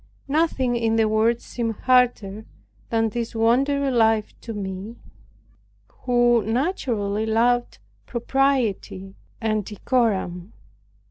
Nothing in the world seemed harder than this wandering life to me, who naturally loved propriety and decorum.